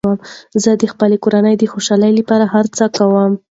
زه د خپلې کورنۍ د خوشحالۍ لپاره هر څه کوم.